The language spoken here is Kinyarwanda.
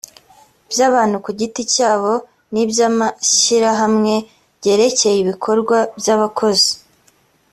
by abantu ku giti cyabo n iby amashyirahamwe byerekeye ibikorwa by abakozi